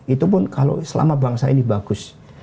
itu pun kalau selama bangsa ini bagus